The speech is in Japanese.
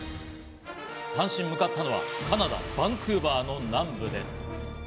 単身向かったのは、カナダ・バンクーバーの南部です。